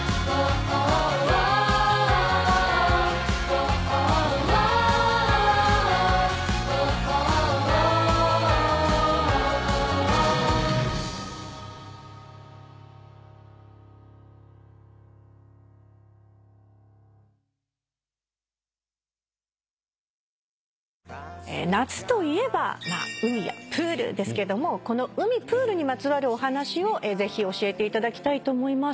なので全然気にする必要ないですから。夏といえば海やプールですけどもこの海プールにまつわるお話をぜひ教えていただきたいと思います。